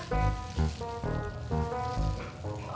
oh seperti itu